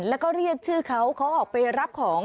แล้วก็เรียกชื่อเขาเขาออกไปรับของ